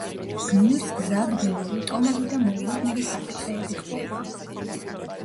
გმირს გზად ველური ტომები და მოულოდნელი საფრთხეები ხვდება.